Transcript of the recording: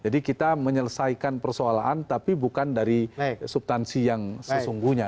jadi kita menyelesaikan persoalan tapi bukan dari subtansi yang sesungguhnya